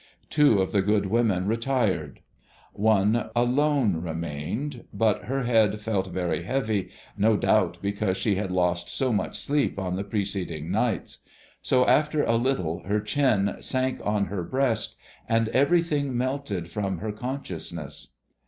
Two of the good women retired; one alone remained, but her head felt very heavy, no doubt because she had lost so much sleep on the preceding nights; so after a little her chin sank on her breast and everything melted from her consciousness.